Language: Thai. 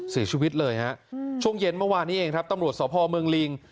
เสียชีวิตเลยฮะช่วงเย็นเมื่อวานนี้เองครับตำรวจสพเมืองลิง